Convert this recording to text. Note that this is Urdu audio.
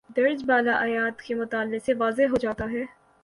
درجِ بالا آیات کے مطالعے سے واضح ہو جاتا ہے